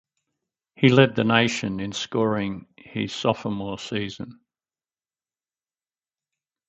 He led the nation in scoring his sophomore season.